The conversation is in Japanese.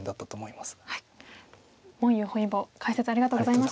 文裕本因坊解説ありがとうございました。